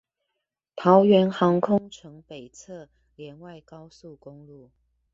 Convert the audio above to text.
桃園航空城北側聯外高速公路